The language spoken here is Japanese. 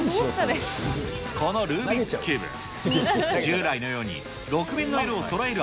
このルービックキューブ、従来のように６面の色をそろえる